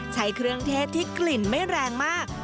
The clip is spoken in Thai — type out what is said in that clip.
ใช้เครื่องเทศที่กลิ่นไม่แรงมาก